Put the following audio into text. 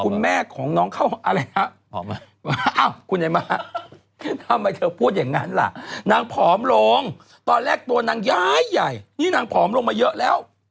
น้องไอม่าทำไมเธอพูดอย่างนั้นล่ะนางผอมลงตอนแรกตัวนางย้ายใหญ่นี่นางผอมลงมาเยอะแล้ว